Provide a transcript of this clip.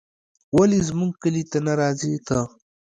ولې زموږ کلي ته نه راځې ته